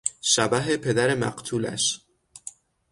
شبح پدر مقتولش